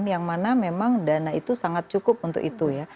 yang mana memang dana itu sangat cukup untuk itu ya